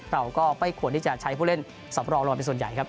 เราก็ไม่ควรที่จะใช้ผู้เล่นสำรองลอยเป็นส่วนใหญ่ครับ